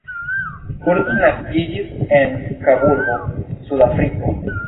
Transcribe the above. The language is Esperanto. Burton naskiĝis en Kaburbo, Sudafriko.